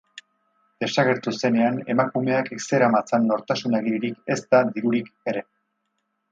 Desagertu zenean, emakumeak ez zeramatzan nortasun agiririk ezta dirurik ere.